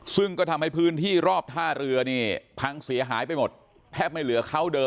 ซึ่งก็ทำให้พื้นที่รอบท่าเรือนี่พังเสียหายไปหมดแทบไม่เหลือเขาเดิน